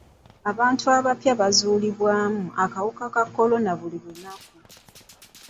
Abantu abapya bazuulibwamu akawuka ka kolona buli lunaku.